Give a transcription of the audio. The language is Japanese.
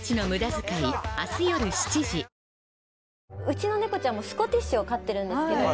うちのネコちゃんもスコティッシュを飼ってるんですけど